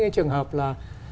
trường hợp là